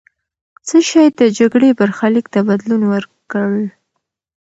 څه شی د جګړې برخلیک ته بدلون ورکړ؟